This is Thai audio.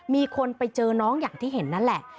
มีคนไปเจอน้องอย่างที่เห็นนั่นแหละ